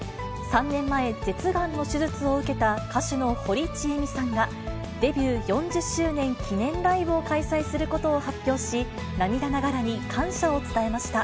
３年前、舌がんの手術を受けた歌手の堀ちえみさんが、デビュー４０周年記念ライブを開催することを発表し、涙ながらに感謝を伝えました。